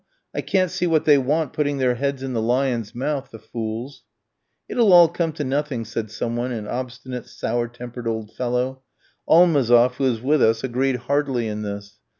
I can't see what they want putting their heads in the lion's mouth, the fools." "It'll all come to nothing," said some one, an obstinate, sour tempered old fellow. Almazoff, who was with us too, agreed heartily in this.